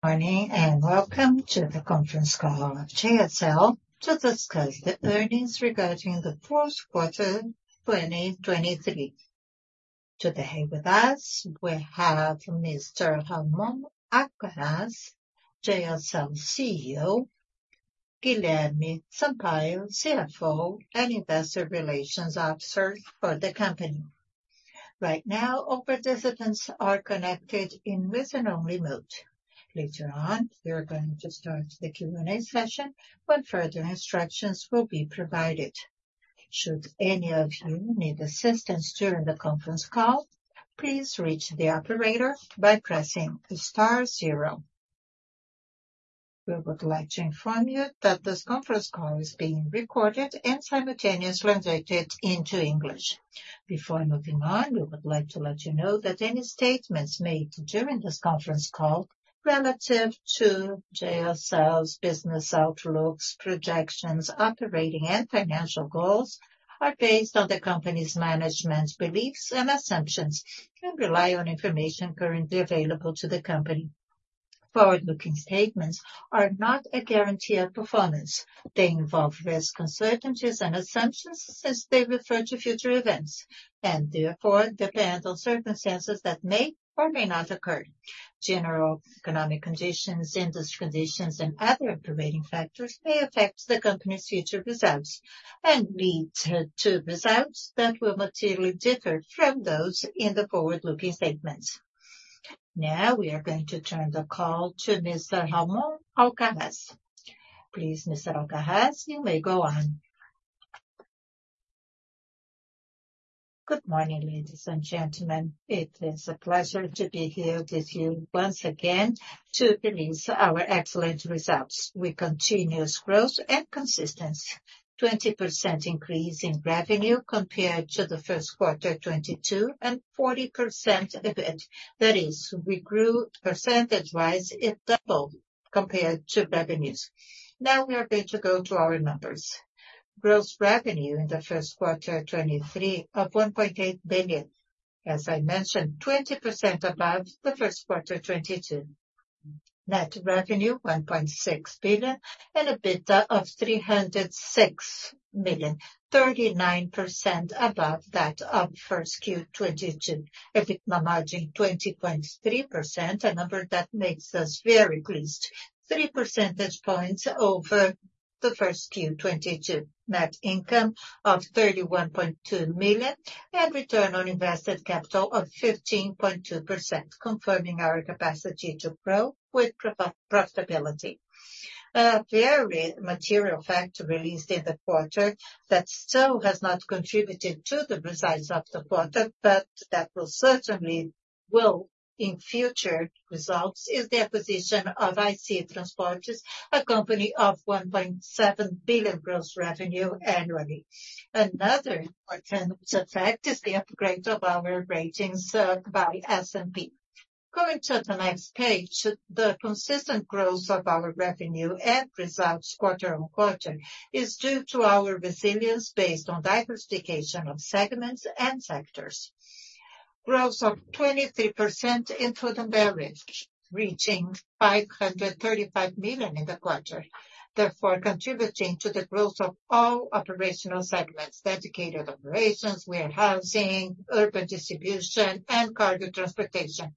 Morning, welcome to the conference call of JSL to discuss the earnings regarding the fourth quarter 2023. Today with us we have Mr. Ramon Alcaraz, JSL CEO, Guilherme Sampaio, CFO and Investor Relations Officer for the company. Right now, all participants are connected in listen-only mode. Later on, we are going to start the Q&A session when further instructions will be provided. Should any of you need assistance during the conference call, please reach the operator by pressing star zero. We would like to inform you that this conference call is being recorded and simultaneously translated into English. Before moving on, we would like to let you know that any statements made during this conference call relative to JSL's business outlooks, projections, operating and financial goals are based on the company's management's beliefs and assumptions and rely on information currently available to the company. Forward-looking statements are not a guarantee of performance. They involve risks, uncertainties and assumptions since they refer to future events and therefore depend on circumstances that may or may not occur. General economic conditions, industry conditions and other operating factors may affect the company's future results and lead to results that will materially differ from those in the forward-looking statements. Now we are going to turn the call to Mr. Ramon Alcaraz. Please, Mr. Alcaraz, you may go on. Good morning, ladies and gentlemen. It is a pleasure to be here with you once again to release our excellent results. We continuous growth and consistence. 20% increase in revenue compared to the first quarter 2022, and 40% EBIT. That is, we grew percentage-wise it double compared to revenues. Now we are going to go to our numbers. Gross revenue in the first quarter 2023 of 1.8 billion. As I mentioned, 20% above the first quarter 2022. Net revenue 1.6 billion and EBITDA of 306 million, 39% above that of first Q 2022. EBITDA margin 20.3%, a number that makes us very pleased. 3 percentage points over the first quarter 2022. Net income of 31.2 million, and return on invested capital of 15.2%, confirming our capacity to grow with pro-profitability. Very material factor released in the quarter that still has not contributed to the results of the quarter, but that will certainly will in future results is the acquisition of IC Transportes, a company of 1.7 billion gross revenue annually. Another important effect is the upgrade of our ratings by S&P. Going to the next page, the consistent growth of our revenue and results quarter-on-quarter is due to our resilience based on diversification of segments and sectors. Growth of 23% in food and beverage, reaching 535 million in the quarter, therefore contributing to the growth of all operational segments, dedicated operations, warehousing, urban distribution and cargo transportation.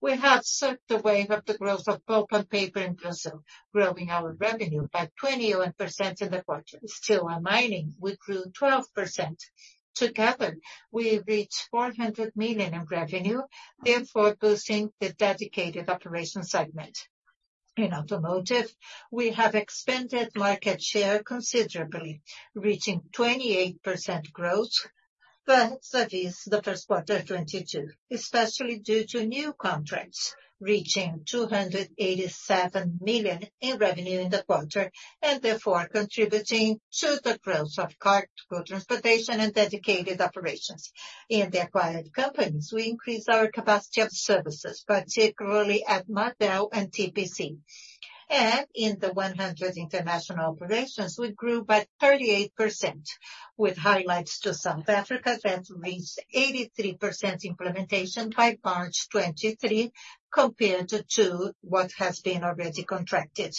We have surfed the wave of the growth of pulp and paper in Brazil, growing our revenue by 21% in the quarter. Steel and mining, we grew 12%. Together, we reached 400 million in revenue, therefore boosting the dedicated operations segment. In automotive, we have expanded market share considerably, reaching 28% growth vis-a-vis Q1 2022, especially due to new contracts reaching 287 million in revenue in the quarter, and therefore contributing to the growth of cargo transportation and dedicated operations. In the acquired companies, we increased our capacity of services, particularly at Marvel and TPC. In the 100 international operations, we grew by 38%, with highlights to South Africa that reached 83% implementation by March 2023 compared to what has been already contracted.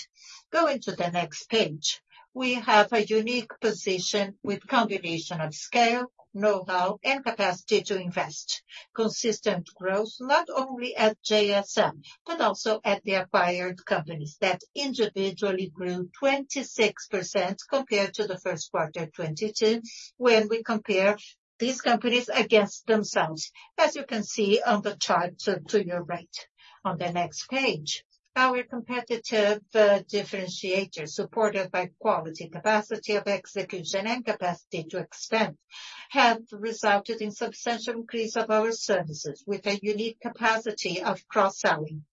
Going to the next page. We have a unique position with combination of scale, know-how and capacity to invest. Consistent growth not only at JSL, but also at the acquired companies that individually grew 26% compared to the first quarter 2022 when we compare these companies against themselves, as you can see on the chart to your right. On the next page, our competitive differentiators, supported by quality, capacity of execution and capacity to expand, have resulted in substantial increase of our services with a unique capacity of cross-selling.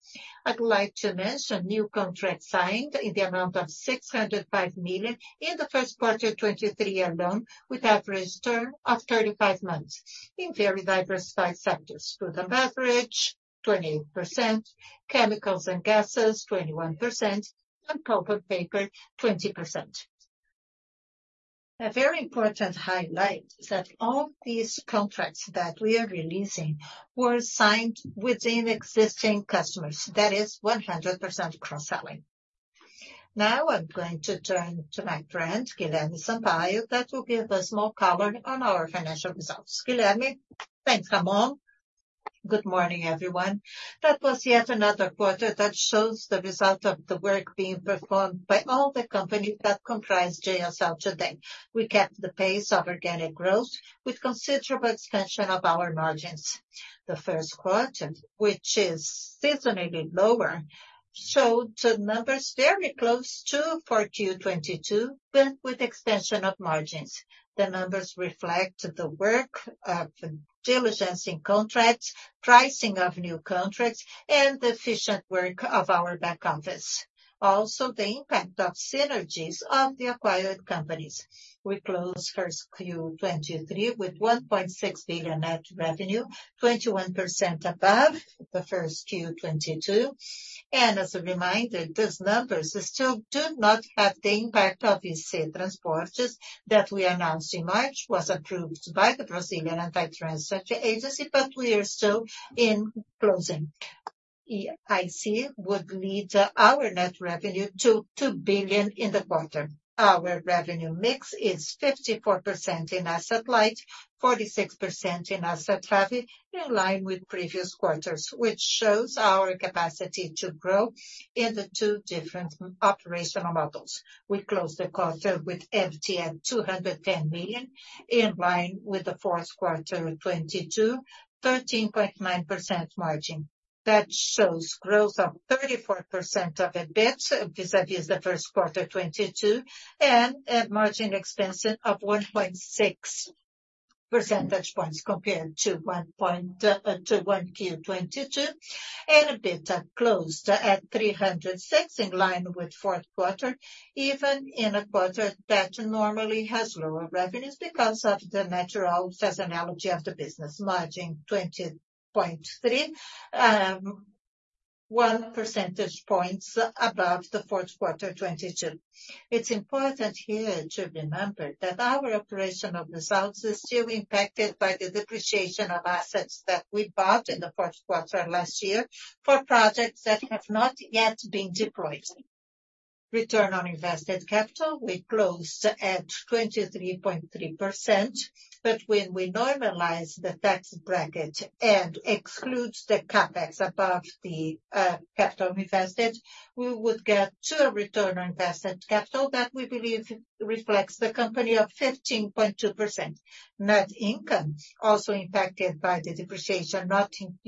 I'd like to mention new contract signed in the amount of 605 million in the first quarter 2023 alone, with average term of 35 months in very diversified sectors. Food and beverage 28%, chemicals and gases 21%, pulp and paper 20%. A very important highlight is that all these contracts that we are releasing were signed within existing customers. That is 100% cross-selling. Now I'm going to turn to my friend, Guilherme Sampaio, that will give a small comment on our financial results. Guilherme. Thanks, Ramon. Good morning, everyone. That was yet another quarter that shows the result of the work being performed by all the companies that comprise JSL today. We kept the pace of organic growth with considerable expansion of our margins. The first quarter, which is seasonally lower, showed numbers very close to 4Q 2022, but with extension of margins. The numbers reflect the work of diligence in contracts, pricing of new contracts, and the efficient work of our back office. The impact of synergies of the acquired companies. We closed 1Q 2023 with 1.6 billion net revenue, 21% above the 1Q 2022. As a reminder, these numbers still do not have the impact of IC Transportes that we announced in March, was approved by the Brazilian Anti-Trust Agency, but we are still in closing. IC would lead our net revenue to 2 billion in the quarter. Our revenue mix is 54% in asset-light, 46% in asset-heavy, in line with previous quarters, which shows our capacity to grow in the two different operational models. We closed the quarter with FTE at 210 million, in line with the fourth quarter of 2022, 13.9% margin. That shows growth of 34% of EBIT vis-à-vis the first quarter 2022, and a margin expansion of 1.6 percentage points compared to 1Q 2022. EBITDA closed at 306, in line with fourth quarter, even in a quarter that normally has lower revenues because of the natural seasonality of the business. Margin 20.3%, 1 percentage point above the fourth quarter 2022. It's important here to remember that our operational results is still impacted by the depreciation of assets that we bought in the fourth quarter last year for projects that have not yet been deployed. Return on invested capital, we closed at 23.3%. When we normalize the tax bracket and excludes the CapEx above the capital invested, we would get to a return on invested capital that we believe reflects the company of 15.2%. Net income, also impacted by the depreciation,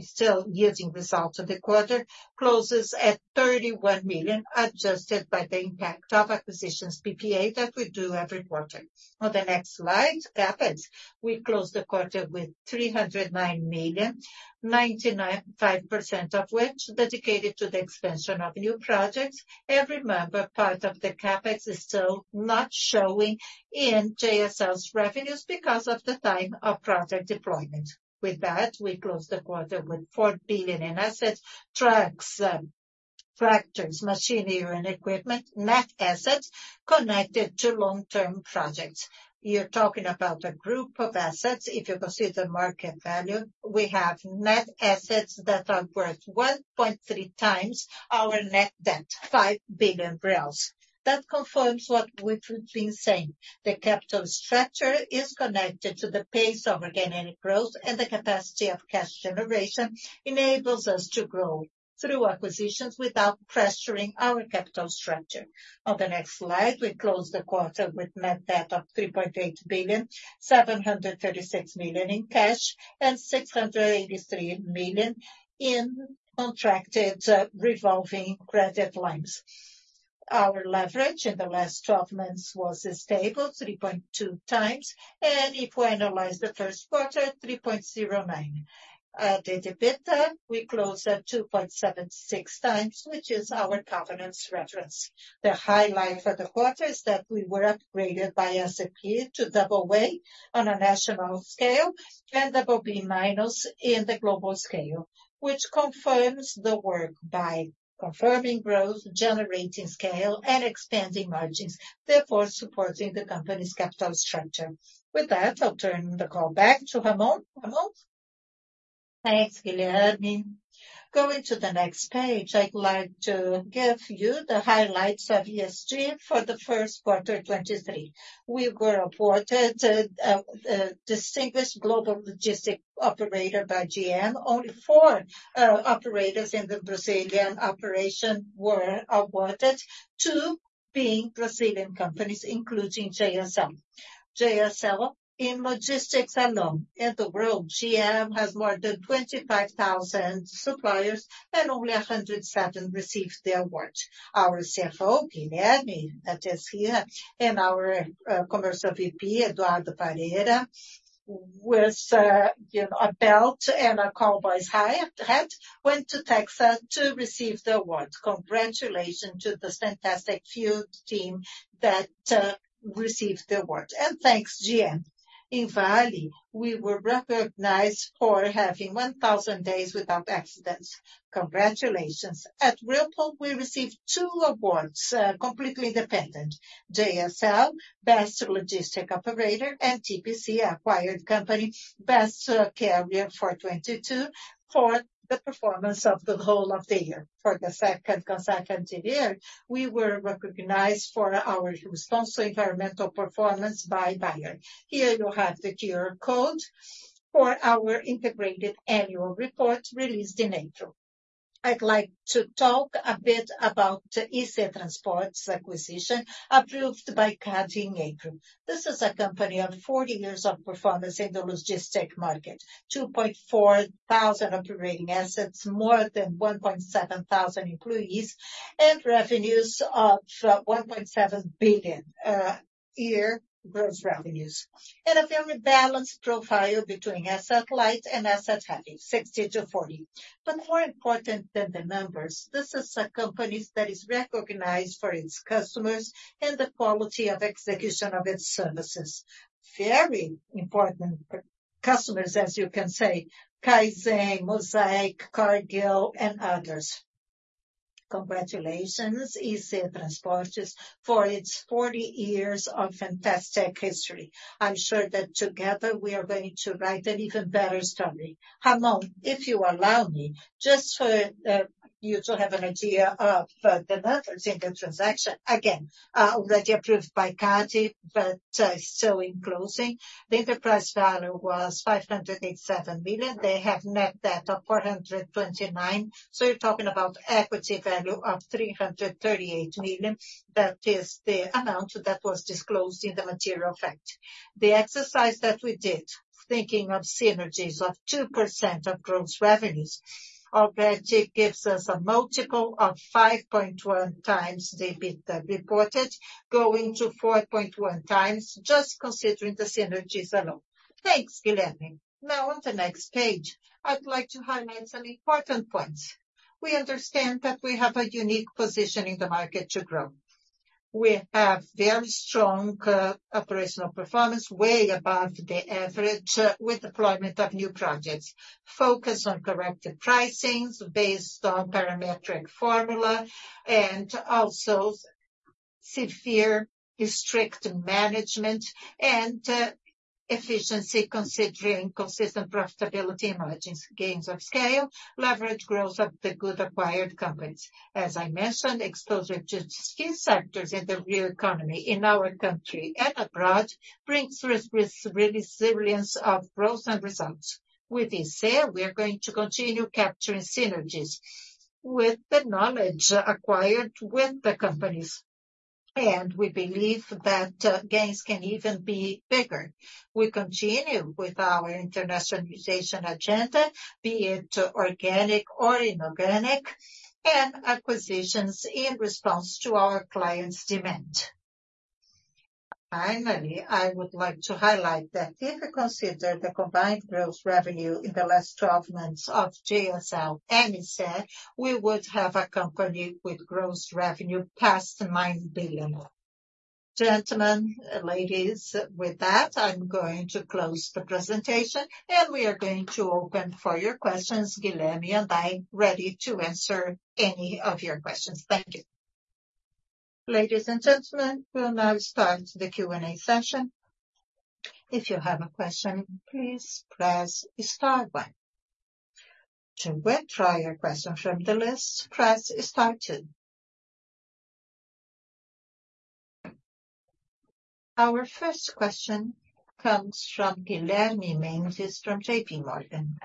still using results of the quarter, closes at 31 million, adjusted by the impact of acquisitions PPA that we do every quarter. On the next slide, CapEx. We closed the quarter with 309 million, 5% of which dedicated to the expansion of new projects. Every member part of the CapEx is still not showing in JSL's revenues because of the time of project deployment. We closed the quarter with 4 billion in assets. Trucks, tractors, machinery and equipment, net assets connected to long-term projects. You're talking about a group of assets. If you consider market value, we have net assets that are worth 1.3x our net debt, 5 billion reais. That confirms what we've been saying. The capital structure is connected to the pace of organic growth. The capacity of cash generation enables us to grow through acquisitions without pressuring our capital structure. On the next slide, we closed the quarter with net debt of 3.8 billion, 736 million in cash and 683 million in contracted revolving credit lines. Our leverage in the last 12 months was stable, 3.2x. If we analyze the first quarter, 3.09x. The EBITDA, we closed at 2.76x, which is our covenants reference. The highlight for the quarter is that we were upgraded by S&P to AA on a national scale and BB- in the global scale, which confirms the work by confirming growth, generating scale, and expanding margins, therefore supporting the company's capital structure. With that, I'll turn the call back to Ramon. Ramon? Thanks, Guilherme. Going to the next page, I'd like to give you the highlights of ESG for the first quarter 2023. We were awarded a Distinguished Global Logistic Operator by GM. Only four operators in the Brazilian operation were awarded, 2 being Brazilian companies, including JSL. JSL in logistics alone. In the world, GM has more than 25,000 suppliers, and only 107 received the award. Our CFO, Guilherme, that is here, and our Commercial VP, Eduardo Pereira, with, you know, a belt and a cowboy's hat, went to Texas to receive the award. Congratulations to the fantastic Q team that received the award. Thanks, GM. In Vale, we were recognized for having 1,000 days without accidents. Congratulations. At Whirlpool, we received two awards, completely independent. JSL, Best Logistic Operator. TPC, acquired company, Best Carrier for 2022 for the performance of the whole of the year. For the second consecutive year, we were recognized for our responsible environmental performance by Bayer. Here you have the QR code for our integrated annual report released in April. I'd like to talk a bit about the IC Transportes' acquisition approved by CADE in April. This is a company of 40 years of performance in the logistic market. 2,400 operating assets, more than 1,700 employees, and revenues of 1.7 billion year gross revenues. A very balanced profile between asset-light and asset-heavy, 60 to 40. More important than the numbers, this is a company that is recognized for its customers and the quality of execution of its services. Very important for customers, as you can say, Kaizen, Mosaic, Cargill and others. Congratulations, IC Transportes, for its 40 years of fantastic history. I'm sure that together we are going to write an even better story. Ramon, if you allow me, just for you to have an idea of the numbers in the transaction. Already approved by CADE, but still in closing. The enterprise value was 587 million. They have net debt of 429 million, you're talking about equity value of 338 million. That is the amount that was disclosed in the material fact. The exercise that we did, thinking of synergies of 2% of gross revenues, already gives us a multiple of 5.1x the EBITDA reported, going to 4.1x just considering the synergies alone. Thanks, Guilherme. On the next page, I'd like to highlight some important points. We understand that we have a unique position in the market to grow. We have very strong operational performance, way above the average with deployment of new projects. Focus on corrective pricings based on parametric formula and also severe strict management and efficiency considering consistent profitability margins, gains of scale, leverage growth of the good acquired companies. I mentioned, exposure to key sectors in the real economy in our country and abroad brings resilience of growth and results. With IC, we are going to continue capturing synergies with the knowledge acquired with the companies, and we believe that gains can even be bigger. We continue with our internationalization agenda, be it organic or inorganic. Acquisitions in response to our clients' demand. Finally, I would like to highlight that if we consider the combined gross revenue in the last 12 months of JSL and IC, we would have a company with gross revenue past 9 billion. Gentlemen, ladies, with that, I'm going to close the presentation, and we are going to open for your questions. Guilherme and I ready to answer any of your questions. Thank you. Ladies and gentlemen, we'll now start the Q&A session. If you have a question, please press star one. To withdraw your question from the list, press star two. Our first question comes from Guilherme Mendes from JPMorgan.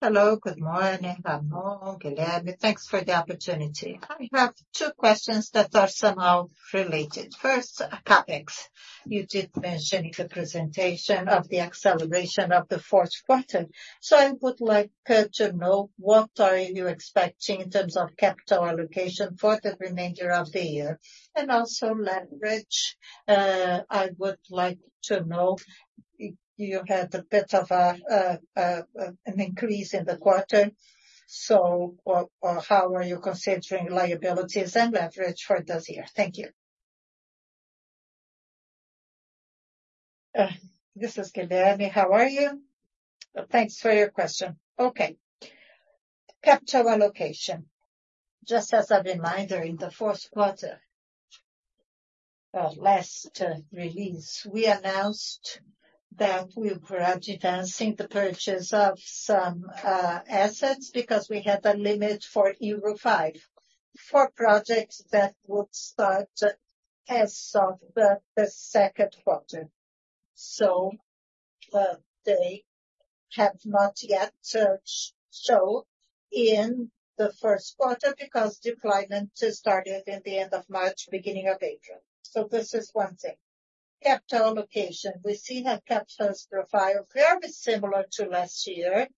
Hello, good morning, Ramon, Guilherme. Thanks for the opportunity. I have two questions that are somehow related. First, CapEx. You did mention in the presentation of the acceleration of the fourth quarter. I would like to know what are you expecting in terms of capital allocation for the remainder of the year? Also leverage. I would like to know if you had a bit of an increase in the quarter. How are you considering liabilities and leverage for this year? Thank you. This is Guilherme. How are you? Thanks for your question. Okay. Capital allocation. Just as a reminder, in the fourth quarter, last release, we announced that we're gradually dancing the purchase of some assets because we have a limit for 5 for projects that would start as of the second quarter. They have not yet shown in the first quarter because deployment started in the end of March, beginning of April. This is one thing. Capital allocation. We see a capital profile very similar to last year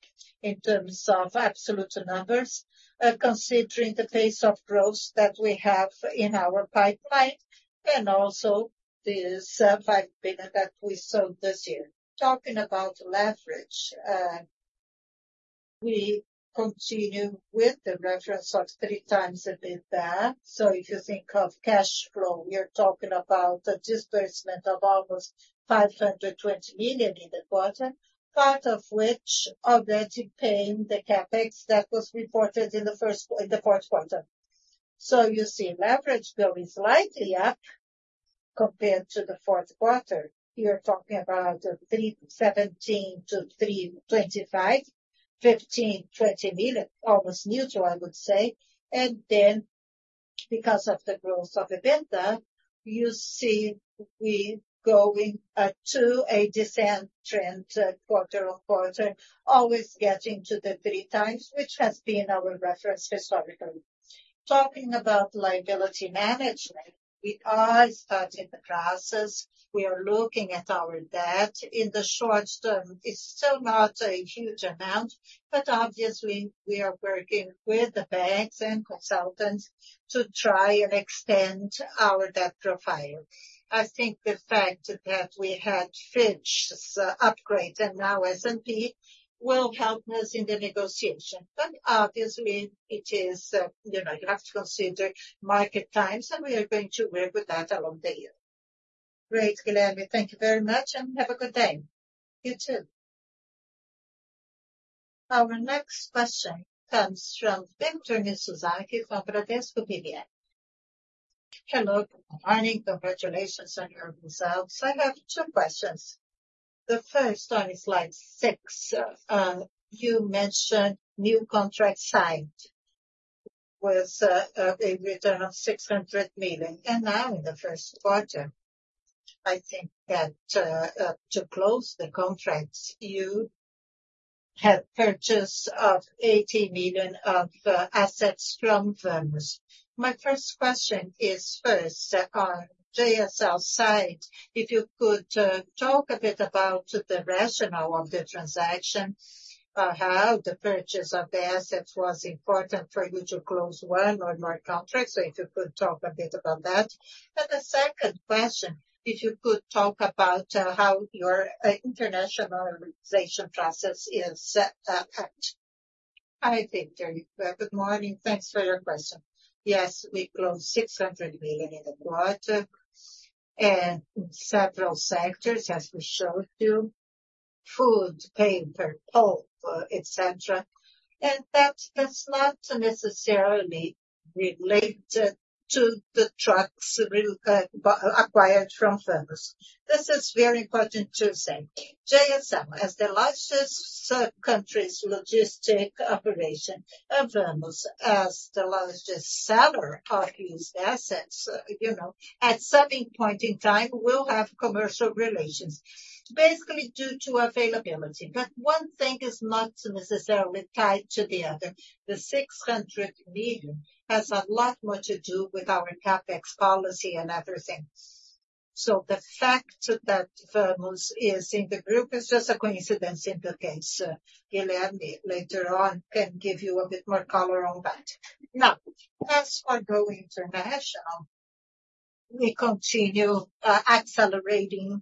in terms of absolute numbers, considering the pace of growth that we have in our pipeline and also this 5 billion that we sold this year. Talking about leverage, we continue with the reference of 3x the EBITDA. If you think of cash flow, we are talking about a disbursement of almost 520 million in the quarter, part of which already paying the CapEx that was reported in the fourth quarter. You see leverage going slightly up compared to the fourth quarter. You're talking about 3.17-3.25. 15 million, 20 million, almost neutral, I would say. Because of the growth of EBITDA, you see we going to a descent trend quarter-over-quarter, always getting to the three times, which has been our reference historically. Talking about liability management, we are starting the process. We are looking at our debt. In the short term, it's still not a huge amount, but obviously we are working with the banks and consultants to try and extend our debt profile. I think the fact that we had Fitch's upgrade and now S&P will help us in the negotiation. Obviously it is, you know, you have to consider market times, and we are going to work with that along the year. Great, Guilherme. Thank you very much. Have a good day. You too. Our next question comes from Victor Mizusaki from Bradesco BBI. Hello. Good morning. Congratulations on your results. I have two questions. The first on slide six. You mentioned new contract signed with a return of 600 million, and now in the first quarter, I think that to close the contracts you had purchase of 80 million of assets from Firmus. My first question is, first, on JSL side, if you could talk a bit about the rationale of the transaction, how the purchase of the assets was important for you to close one or more contracts. If you could talk a bit about that. The second question, if you could talk about how your internationalization process is set at. Hi, Victor. Good morning. Thanks for your question. Yes, we closed 600 million in the quarter in several sectors, as we showed you, food, paper, pulp, et cetera. That's not necessarily related to the trucks we acquired from Firmus. This is very important to say. JSL, as the largest country's logistic operation, and Firmus as the largest seller of these assets, you know, at some point in time will have commercial relations, basically due to availability. One thing is not necessarily tied to the other. The 600 million has a lot more to do with our CapEx policy and other things. The fact that Firmus is in the group is just a coincidence in the case. Guilherme later on can give you a bit more color on that. As for going international, we continue accelerating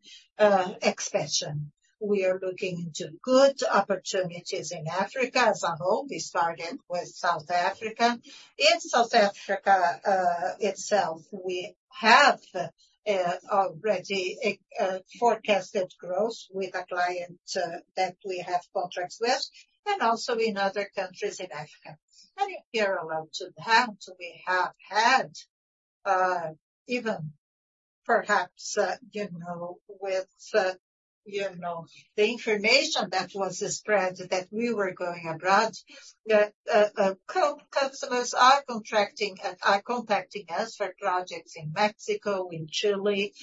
expansion. We are looking into good opportunities in Africa as a whole. We started with South Africa. In South Africa, itself, we have already a forecasted growth with a client that we have contracts with and also in other countries in Africa. Parallel to that, we have had even perhaps, you know, with, you know, the information that was spread that we were going abroad that co-customers are contacting us for projects in Mexico, in Chile.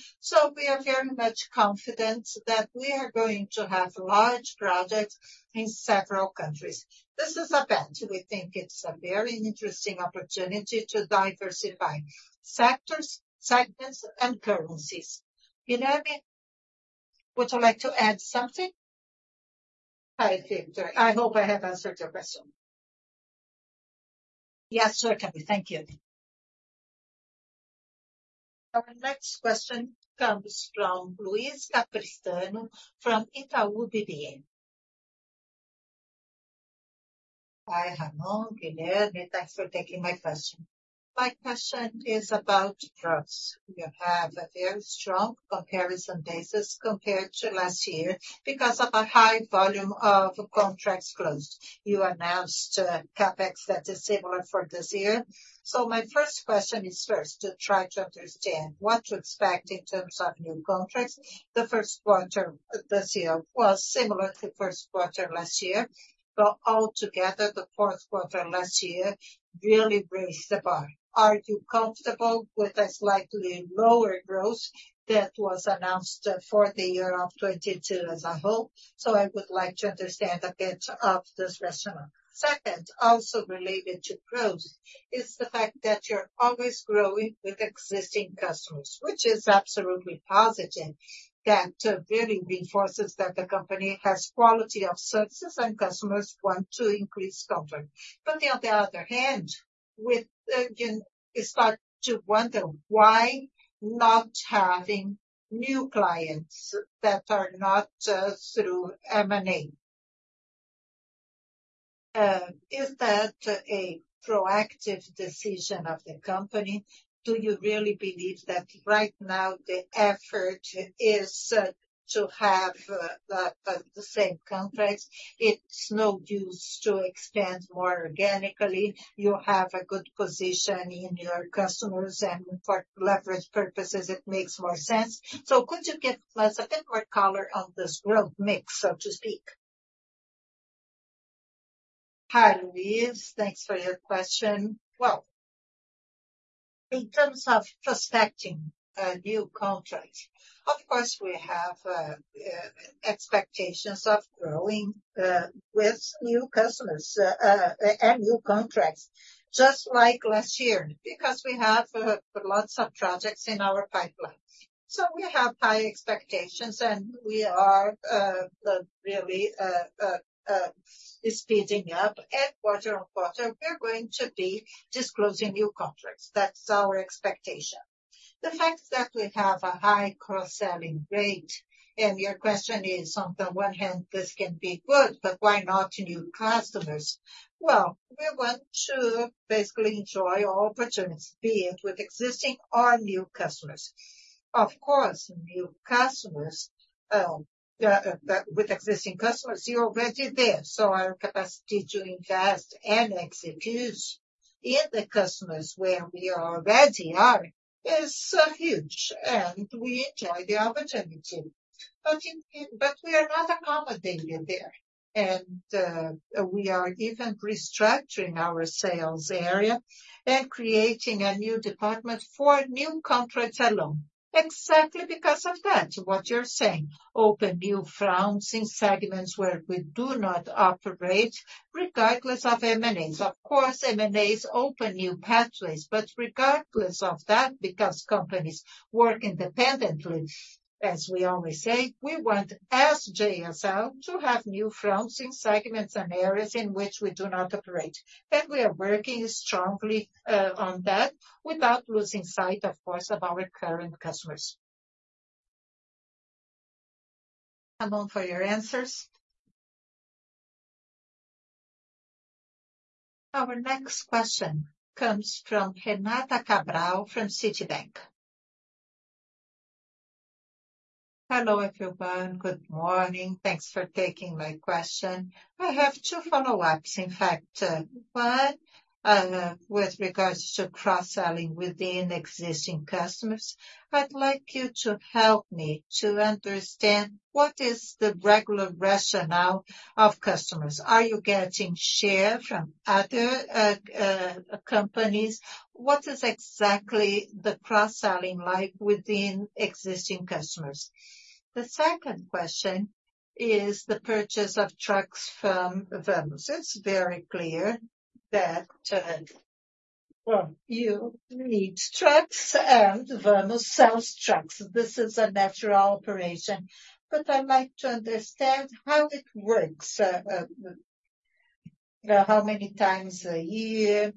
We are very much confident that we are going to have large projects in several countries. This is a bet. We think it's a very interesting opportunity to diversify sectors, segments and currencies. Guilherme, would you like to add something? Hi, Victor. I hope I have answered your question. Yes, certainly. Thank you. Our next question comes from Luiza Capistrano from Itaú BBA. Hi, Ramon, Guilherme. Thanks for taking my question. My question is about growth. You have a very strong comparison basis compared to last year because of a high volume of contracts closed. You announced CapEx that is similar for this year. My first question is first to try to understand what to expect in terms of new contracts. The first quarter this year was similar to first quarter last year, altogether the fourth quarter last year really raised the bar. Are you comfortable with a slightly lower growth that was announced for the year of 22 as a whole? I would like to understand a bit of this rationale. Second, also related to growth, is the fact that you're always growing with existing customers, which is absolutely positive. That really reinforces that the company has quality of services and customers want to increase comfort. On the other hand, you start to wonder why not having new clients that are not through M&A. Is that a proactive decision of the company? Do you really believe that right now the effort is to have the same contracts? It's no use to expand more organically. You have a good position in your customers and for leverage purposes it makes more sense. Could you give us a bit more color on this growth mix, so to speak? Hi, Luisa. Thanks for your question. Well, in terms of prospecting a new contract, of course, we have expectations of growing with new customers and new contracts just like last year, because we have lots of projects in our pipeline. We have high expectations, and we are really speeding up. Quarter-on-quarter, we're going to be disclosing new contracts. That's our expectation. The fact that we have a high cross-selling rate, and your question is: on the one hand, this can be good, but why not new customers? Well, we want to basically enjoy all opportunities, be it with existing or new customers. Of course, new customers, with existing customers, you're already there, so our capacity to invest and execute in the customers where we already are is huge, and we enjoy the opportunity. We are not accommodating there. We are even restructuring our sales area and creating a new department for new contracts alone. Exactly because of that, what you're saying, open new fronts in segments where we do not operate, regardless of M&As. Of course, M&As open new pathways, regardless of that, because companies work independently, as we always say, we want as JSL to have new fronts in segments and areas in which we do not operate. We are working strongly on that without losing sight, of course, of our current customers. Thank you for your answers. Our next question comes from Renata Cabral from Citi. Hello, everyone. Good morning. Thanks for taking my question. I have two follow-ups. In fact, one with regards to cross-selling within existing customers. I'd like you to help me to understand what is the regular rationale of customers. Are you getting share from other companies? What is exactly the cross-selling like within existing customers? The second question is the purchase of trucks from Vemos. It's very clear that, well, you need trucks and Vemos sells trucks. This is a natural operation. I'd like to understand how it works. how many times a year,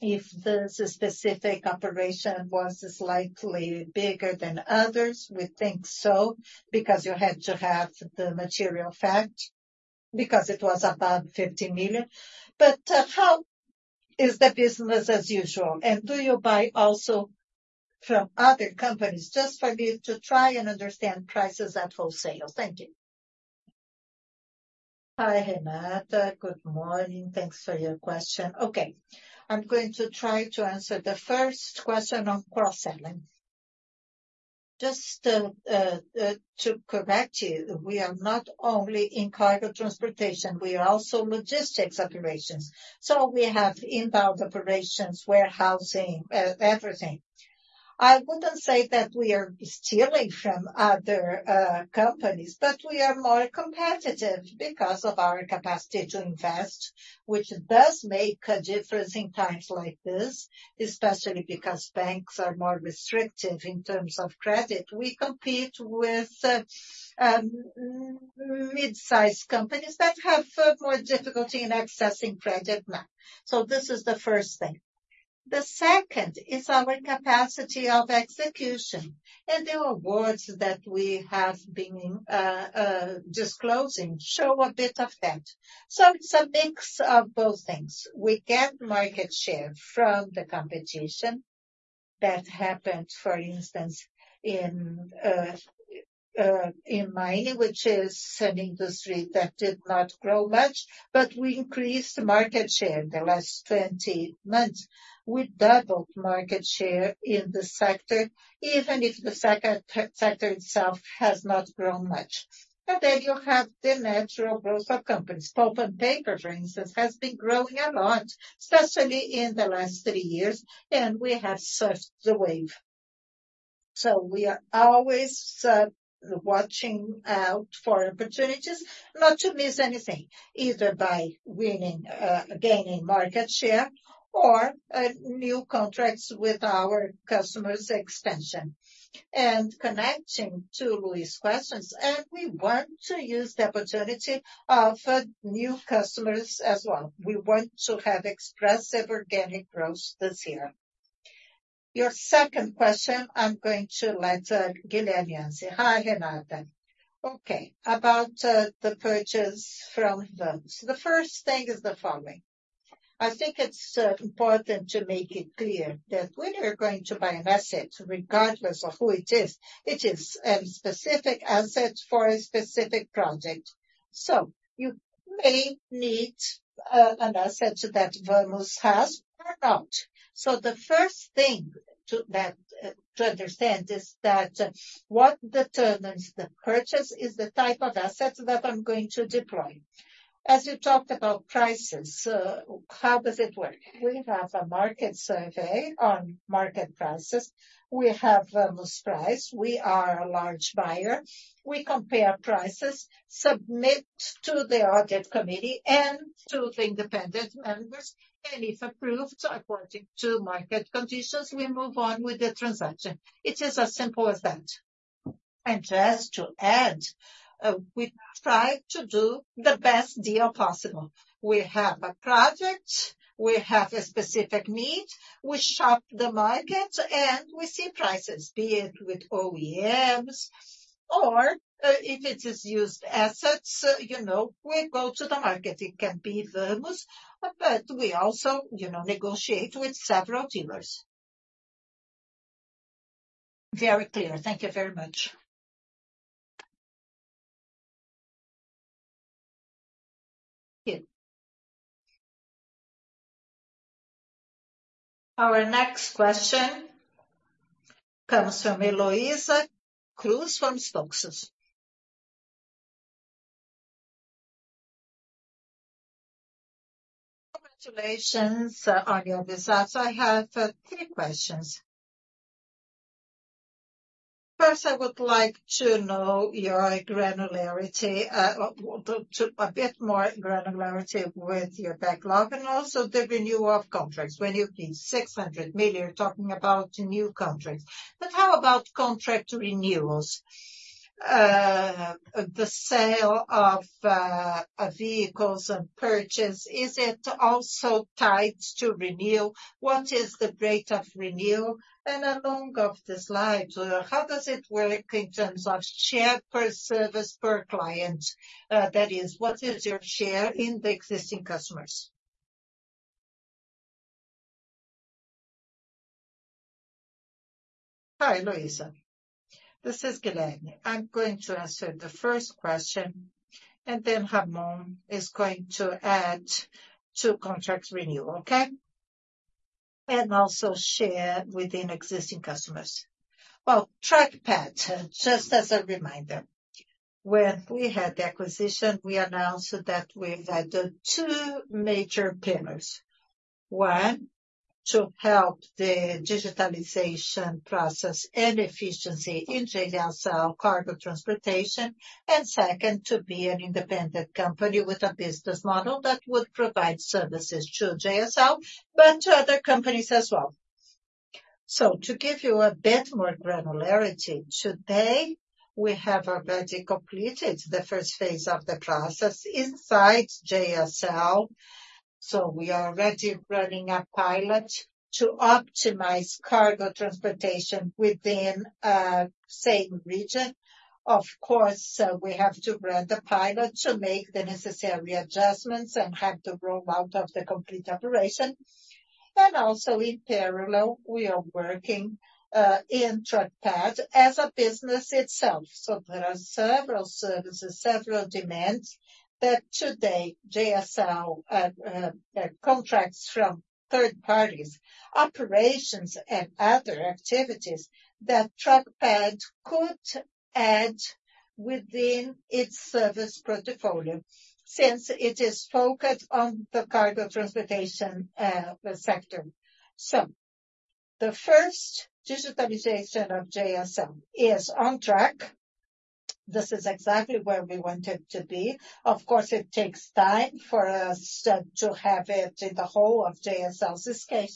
if there's a specific operation was slightly bigger than others. We think so, because you had to have the material fact, because it was above 50 million. How is the business as usual? Do you buy also from other companies? Just for me to try and understand prices at full sale. Thank you. Hi, Renata. Good morning. Thanks for your question. I'm going to try to answer the first question on cross-selling. Just to correct you, we are not only in cargo transportation, we are also logistics operations. We have inbound operations, warehousing, everything. We wouldn't say that we are stealing from other companies, we are more competitive because of our capacity to invest, which does make a difference in times like this, especially because banks are more restrictive in terms of credit. We compete with mid-sized companies that have more difficulty in accessing credit now. This is the first thing. The second is our capacity of execution, the awards that we have been disclosing show a bit of that. It's a mix of both things. We get market share from the competition. That happened, for instance, in mining, which is an industry that did not grow much, we increased market share in the last 20 months. We doubled market share in the sector, even if the sector itself has not grown much. You have the natural growth of companies. Pulp and Paper, for instance, has been growing a lot, especially in the last three years, and we have surfed the wave. We are always watching out for opportunities not to miss anything, either by winning, gaining market share or new contracts with our customers' expansion. Connecting to Luisa Capristano's questions, and we want to use the opportunity of new customers as well. We want to have expressive organic growth this year. Your second question, I'm going to let Guilherme Sampaio answer. Hi, Renata Cabral. About the purchase from Vemos. The first thing is the following. I think it's important to make it clear that when you're going to buy an asset, regardless of who it is, it is a specific asset for a specific project. You may need an asset that Vemos has-Or not. The first thing to understand is that what determines the purchase is the type of assets that I'm going to deploy. As you talked about prices, how does it work? We have a market survey on market prices. We have most priced. We are a large buyer. We compare prices, submit to the audit committee and to the independent members, and if approved, according to market conditions, we move on with the transaction. It is as simple as that. Just to add, we try to do the best deal possible. We have a project, we have a specific need, we shop the market, and we see prices, be it with OEMs or, if it is used assets, you know, we go to the market. It can be Vamos, we also, you know, negotiate with several dealers. Very clear. Thank you very much. Thank you. Our next question comes from Heloísa Cruz from Stoxos. Congratulations on your results. I have three questions. First, I would like to know your granularity, a bit more granularity with your backlog and also the renewal of contracts. When you're paying 600 million, you're talking about new contracts. How about contract renewals? The sale of vehicles and purchase, is it also tied to renew? What is the rate of renew? Along of the slides, how does it work in terms of share per service per client? That is, what is your share in the existing customers? Hi, Heloisa. This is Guilherme. I'm going to answer the first question, Ramon is going to add to contract renewal. Okay? Also share within existing customers. TruckPad, just as a reminder, when we had the acquisition, we announced that we had two major pillars. One, to help the digitalization process and efficiency in JSL cargo transportation, and second, to be an independent company with a business model that would provide services to JSL, but to other companies as well. To give you a bit more granularity, today, we have already completed the first phase of the process inside JSL. We are already running a pilot to optimize cargo transportation within a same region. Of course, we have to run the pilot to make the necessary adjustments and have the rollout of the complete operation. Also in parallel, we are working in TruckPad as a business itself. There are several services, several demands that today JSL contracts from third parties, operations and other activities that TruckPad could add within its service portfolio since it is focused on the cargo transportation sector. The first digitalization of JSL is on track. This is exactly where we want it to be. Of course, it takes time for us to have it in the whole of JSL's scale.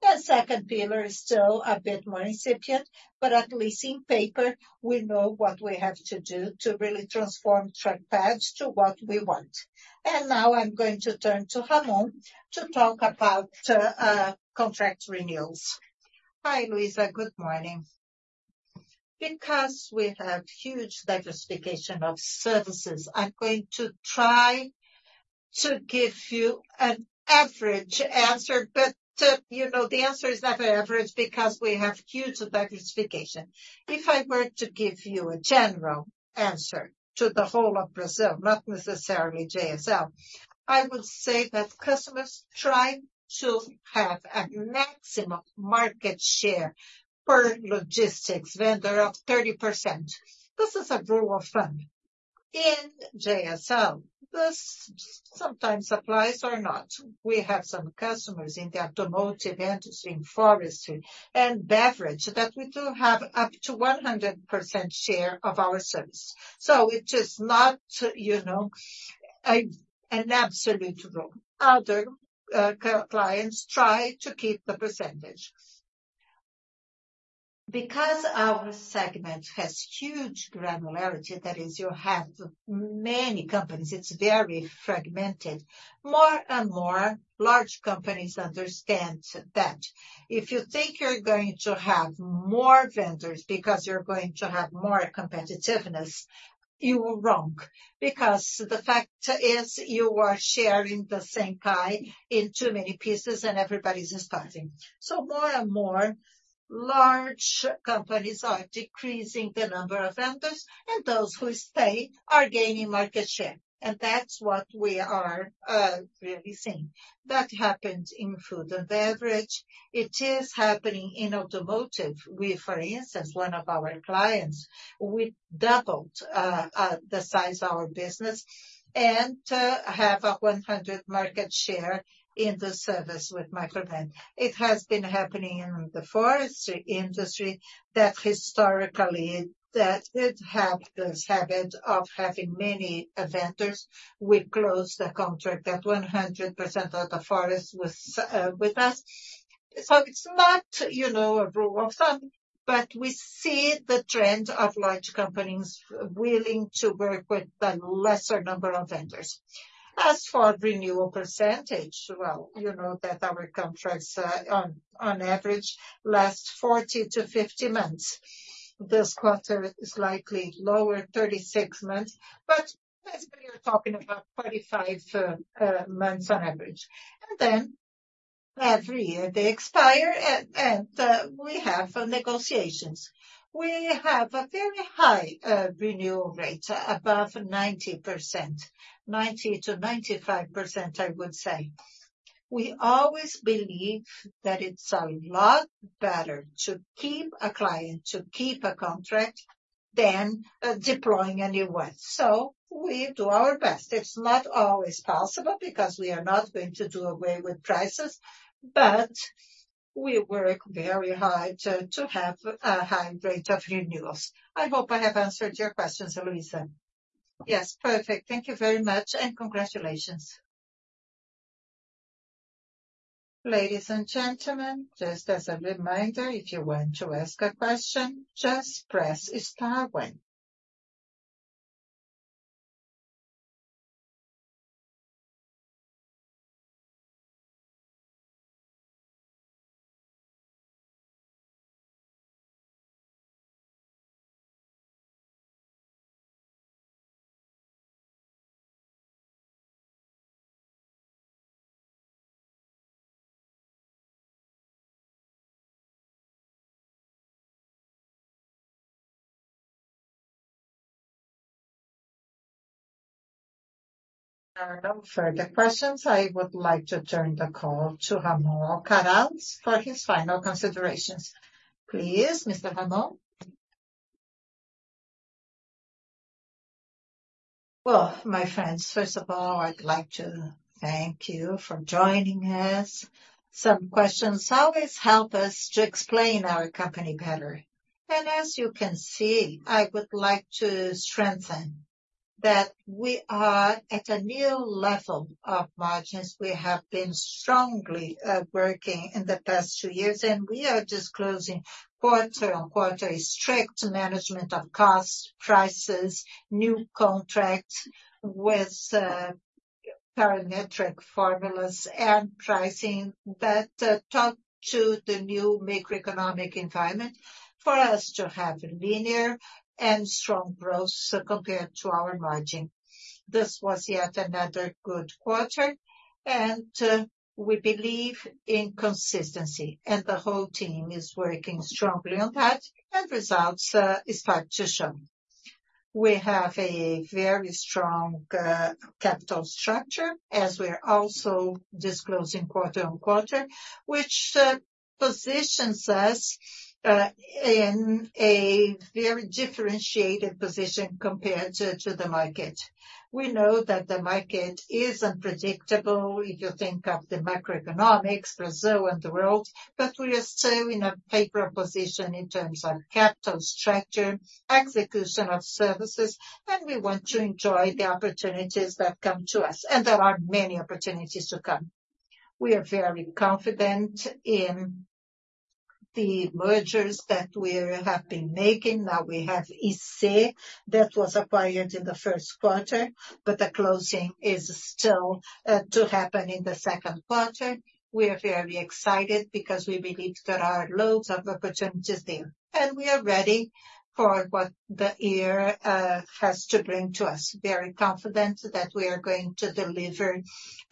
The second pillar is still a bit more incipient, but at least in paper, we know what we have to do to really transform TruckPad to what we want. Now I'm going to turn to Ramon to talk about contract renewals. Hi, Heloisa. Good morning. We have huge diversification of services, I'm going to try to give you an average answer, but, you know, the answer is not an average because we have huge diversification. If I were to give you a general answer to the whole of Brazil, not necessarily JSL, I would say that customers try to have a maximum market share per logistics vendor of 30%. This is a rule of thumb. In JSL, this sometimes applies or not. We have some customers in the automotive industry, in forestry and beverage, that we do have up to 100% share of our service. It is not, you know, an absolute rule. Other clients try to keep the percentage. Our segment has huge granularity, that is you have many companies, it's very fragmented. More and more large companies understand that if you think you're going to have more vendors because you're going to have more competitiveness, you are wrong. The fact is you are sharing the same pie in too many pieces and everybody's starving. More and more large companies are decreasing the number of vendors, and those who stay are gaining market share, and that's what we are really seeing. That happened in food and beverage. It is happening in automotive. For instance, one of our clients, we doubled the size of our business and have a 100% market share in the service with Marvel. It has been happening in the forestry industry that it had this habit of having many vendors. We closed the contract at 100% of the forest with us. It's not, you know, a rule of thumb, but we see the trend of large companies willing to work with a lesser number of vendors. As for renewal percentage, well, you know that our contracts, on average last 40-50 months. This quarter is likely lower, 36 months, but basically you're talking about 45 months on average. Every year they expire, we have negotiations. We have a very high renewal rate, above 90%. 90%-95%, I would say. We always believe that it's a lot better to keep a client, to keep a contract than deploying a new one. We do our best. It's not always possible because we are not going to do away with prices, but we work very hard to have a high rate of renewals. I hope I have answered your questions, Luiza. Yes. Perfect. Thank you very much and congratulations. Ladies and gentlemen, just as a reminder, if you want to ask a question, just press star one. There are no further questions. I would like to turn the call to Ramon Alcaraz for his final considerations. Please, Mr. Ramon. Well, my friends, first of all, I'd like to thank you for joining us. Some questions always help us to explain our company better. As you can see, I would like to strengthen that we are at a new level of margins. We have been strongly working in the past two years, and we are disclosing quarter on quarter a strict management of cost, prices, new contracts with parametric formulas and pricing that talk to the new macroeconomic environment for us to have linear and strong growth compared to our margin. This was yet another good quarter, and we believe in consistency and the whole team is working strongly on that, and results start to show. We have a very strong capital structure as we are also disclosing quarter on quarter, which positions us in a very differentiated position compared to the market. We know that the market is unpredictable if you think of the macroeconomics, Brazil and the world, but we are still in a paper position in terms of capital structure, execution of services, and we want to enjoy the opportunities that come to us. There are many opportunities to come. We are very confident in the mergers that we have been making. We have FSJ that was acquired in the first quarter, but the closing is still to happen in the second quarter. We are very excited because we believe there are loads of opportunities there. We are ready for what the year has to bring to us. Very confident that we are going to deliver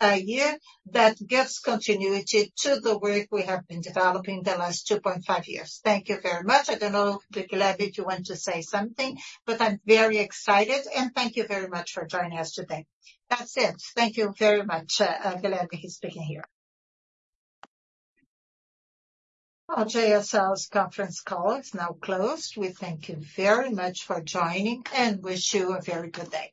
a year that gives continuity to the work we have been developing the last 2.5 years. Thank you very much. I don't know, Guilherme, if you want to say something, but I'm very excited and thank you very much for joining us today. That's it. Thank you very much. Guilherme is speaking here. Our JSL's conference call is now closed. We thank you very much for joining and wish you a very good day.